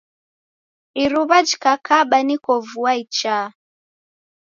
Iruw'a jikakaba niko vua ichaa.